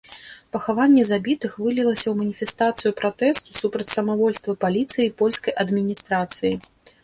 Пахаванне забітых вылілася ў маніфестацыю пратэсту супраць самавольства паліцыі і польскай адміністрацыі.